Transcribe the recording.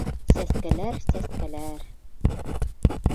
Сәскәләр, сәскәләр...